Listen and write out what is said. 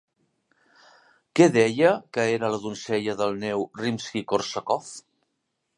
Què deia que era La donzella de neu Rimski-Kórsakov?